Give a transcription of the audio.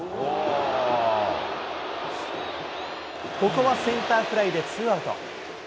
ここはセンターフライでツーアウト。